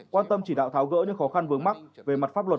quan tâm chỉ đạo tháo gỡ những khó khăn vướng mắt về mặt pháp luật